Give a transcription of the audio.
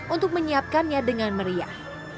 untuk menyiapkannya dengan meriah